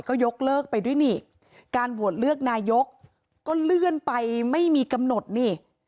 ก็ยกเลิกไปด้วยนี่การโหวตเลือกนายกก็เลื่อนไปไม่มีกำหนดนี่